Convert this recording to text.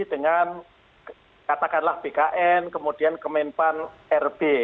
dengan katakanlah bkn kemudian kemenpan rb